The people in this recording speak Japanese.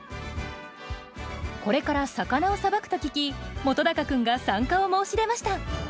これから魚をさばくと聞き本君が参加を申し出ました。